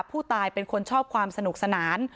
ผู้ตายเป็นคนชอบความสนุกสนาน